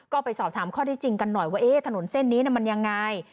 ก็ไปสอบถามข้อที่จริงกันหน่อยว่าถนนเส้นนี้มันยังไง